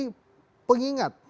ini jadi pengingat